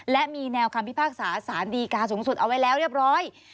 และมีแนวคำพิพากษาสารดีกาสูงสุดเอาไว้แล้วเรียบร้อย